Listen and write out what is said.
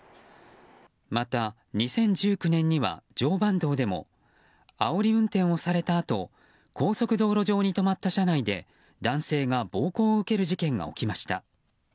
また２０１９年には、常磐道でもあおり運転をされたあと高速道路上に止まった車内で男性が暴行を受ける事件がありました。